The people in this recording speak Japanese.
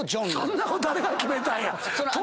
そんなこと誰が決めたんや！